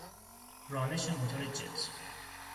رانش موتور جت